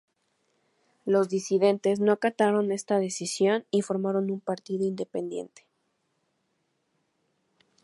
Los disidentes no acataron esta decisión y formaron un partido independiente.